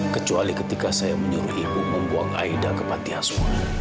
kecuali ketika saya menyuruh ibu membuang aida ke pantiasuhan